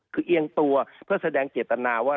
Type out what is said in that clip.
คือเอียงตัวเพื่อแสดงเจตนาว่า